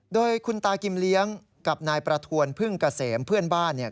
โดยคุณตากิมเลี้ยงกับนายประทวนพึ่งเกษมเพื่อนบ้านเนี่ย